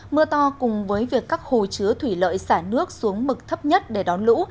mưa to cùng với việc các hồ chứa thủy lợi xả nước xuống mực thấp nhất để đón lũ